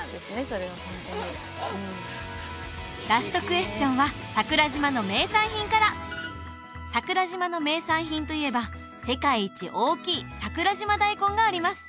それがホントにうんラストクエスチョンは桜島の名産品から桜島の名産品といえば世界一大きい桜島大根があります